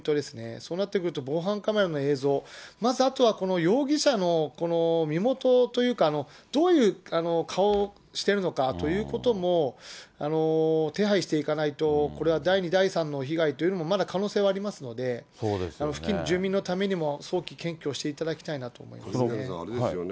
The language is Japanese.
そうなってくると防犯カメラの映像、あとはこの容疑者のこの身元というか、どういう顔をしているのかということも手配していかないと、これは第２、第３の被害というのも、まだ可能性はありますので、付近の住民のためにも、早期検挙していただきたいなと思いますね。